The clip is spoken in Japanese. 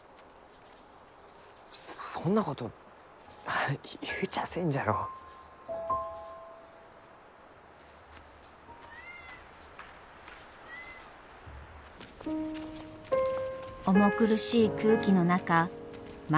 そそんなこと言うちゃあせんじゃろ。重苦しい空気の中万